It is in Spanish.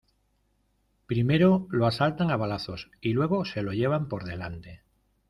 primero lo asaltan a balazos y luego se lo lleva por delante